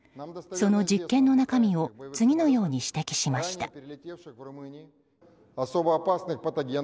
その実験の中身を次のように指摘しました。